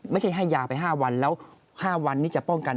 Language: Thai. ไม่ใช่ให้ยาไป๕วันแล้ว๕วันนี้จะป้องกัน